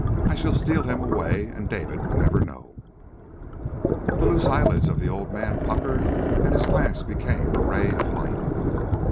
I shall steal him away and David will never know." The loose eyelids of the old man puckered and his glance became a ray of light.